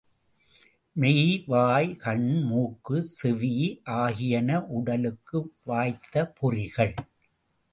மெய், வாய், கண், மூக்கு, செவி ஆகியன உடலுக்கு வாய்த்த பொறிகள்.